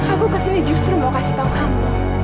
aku kesini justru mau kasih tahu kamu